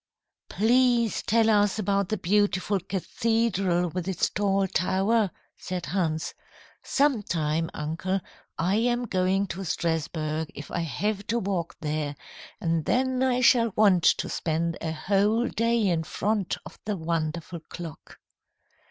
"Please tell us about the beautiful cathedral with its tall tower," said Hans. "Sometime, uncle, I am going to Strasburg, if I have to walk there, and then I shall want to spend a whole day in front of the wonderful clock."